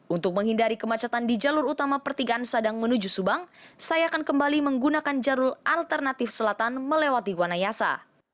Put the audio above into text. untuk menghindari kemacetan di jalur utama pertigaan sadang menuju subang saya akan kembali menggunakan jalur alternatif selatan melewati wanayasa